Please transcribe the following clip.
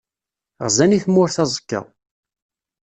Ɣzen i tmurt aẓekka.